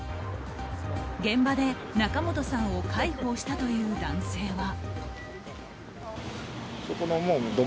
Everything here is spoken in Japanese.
現場で仲本さんを介抱したという男性は。